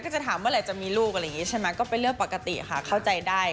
จะถามเมื่อไหร่จะมีลูกอะไรอย่างนี้ใช่ไหมก็เป็นเรื่องปกติค่ะเข้าใจได้